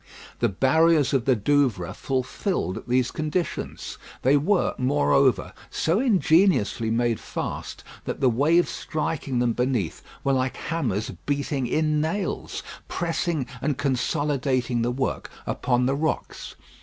The barriers of the Douvres fulfilled these conditions. They were, moreover, so ingeniously made fast, that the waves striking them beneath were like hammers beating in nails, pressing and consolidating the work upon the rocks.